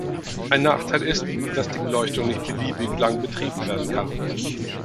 Ein Nachteil ist, dass die Beleuchtung nicht beliebig lange betrieben werden kann.